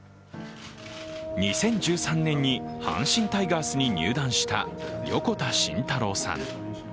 ２０１３年に阪神タイガースに入団した横田慎太郎さん。